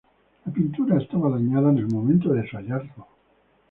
La pintura estaba dañada en el momento de su hallazgo.